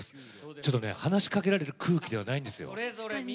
ちょっとね、話しかけられる空気じゃないんですよ。